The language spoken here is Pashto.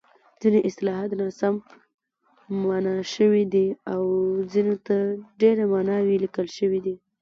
ځیني اصطلاحات ناسم مانا شوي دي او ځینو ته ډېرې ماناوې لیکل شوې دي.